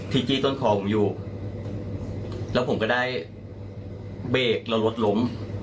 จี้ต้นคอผมอยู่แล้วผมก็ได้เบรกแล้วรถล้ม